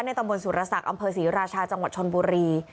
ในตำรวจสุรสักอำเภอศรีราชาจังหวัดชนบุรี